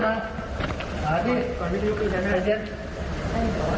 ส่วนหน้าต่อมาส่วนหน้าต่อมา